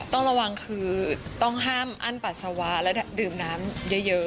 ต้องระวังคือต้องห้ามอั้นปัสสาวะและดื่มน้ำเยอะ